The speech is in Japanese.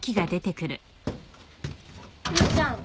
涼ちゃん。